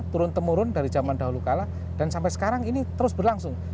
turun temurun dari zaman dahulu kalah dan sampai sekarang ini terus berlangsung